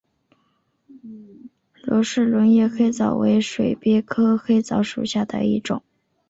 罗氏轮叶黑藻为水鳖科黑藻属下的一个种。